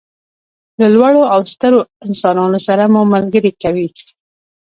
له لوړو او سترو انسانانو سره مو ملګري کوي.